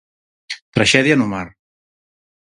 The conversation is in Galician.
Traxedia no mar.